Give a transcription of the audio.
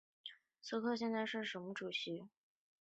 苏克现在是克罗地亚足协主席。